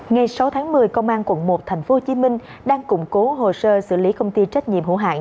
ngày sáu tháng một mươi công an quận một tp hcm đang củng cố hồ sơ xử lý công ty trách nhiệm hữu hạng